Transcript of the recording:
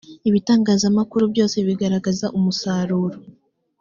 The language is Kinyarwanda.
ibitangazamakuru byose bigaragaza umusaruro